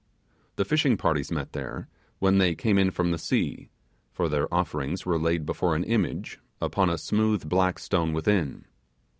The fishing parties met there, when they came in from the sea, for their offerings were laid before an image, upon a smooth black stone within.